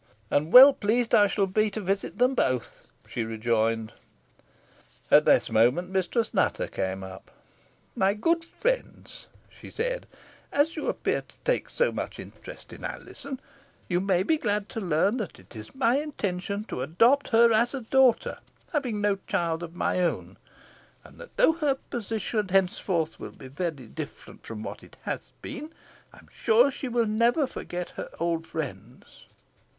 "And well pleased I shall be to visit them both," she rejoined. At this moment Mistress Nutter came up. "My good friends," she said, "as you appear to take so much interest in Alizon, you may be glad to learn that it is my intention to adopt her as a daughter, having no child of my own; and, though her position henceforth will be very different from what it has been, I am sure she will never forget her old friends."